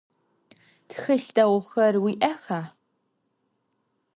Txılh değuxer vui'exa?